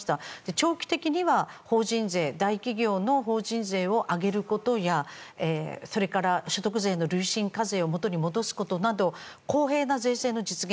長期的には大企業の法人税を上げることやそれから、所得税の累進課税を元に戻すことなど公平な財政の実現